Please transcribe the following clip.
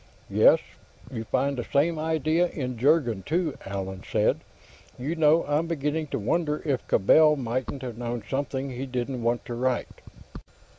"Yes. You find the same idea in 'Jurgen' too," Allan said. "You know, I'm beginning to wonder if Cabell mightn't have known something he didn't want to write."